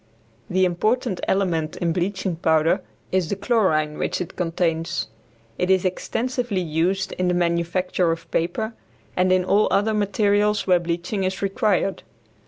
The important element in bleaching powder is the chlorine which it contains. It is extensively used in the manufacture of paper and in all other materials where bleaching is required.